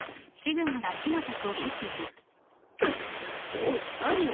おい何を。